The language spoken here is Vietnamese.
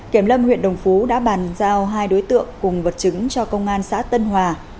kiểm lâm huyện đồng phú đã bàn giao hai đối tượng cùng vật chứng cho công an xã tân hòa